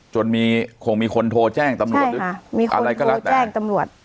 จนมีคงมีคนโทรแจ้งตำรวจใช่ค่ะมีคนโทรแจ้งตำรวจ